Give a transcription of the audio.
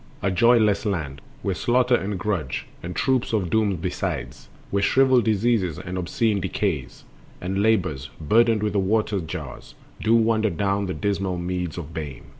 A joyless land, Where Slaughter and Grudge, and troops of Dooms besides, Where shriveled Diseases and obscene Decays, And Labors, burdened with the water jars, Do wander down the dismal meads of Bane.